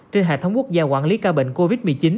trên hệ thống quốc gia quản lý ca bệnh covid một mươi chín